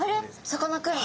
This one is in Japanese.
さかなクン。